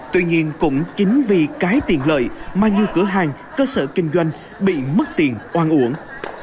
tuy nhiên cũng chính vì cái tiền lợi mà nhiều cửa hàng cơ sở kinh doanh bị mất tiền oan uổng